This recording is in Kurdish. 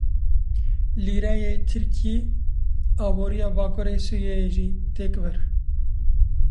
Lîreyê Tirkî aboriya bakurê Sûriyeyê jî têk bir.